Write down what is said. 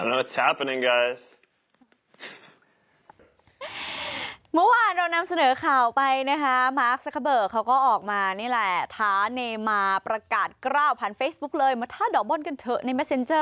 ขอบคุณสำหรับเจอกันและดูสิว่าถ้าชั้นสามารถถูกกับคุณก็ได้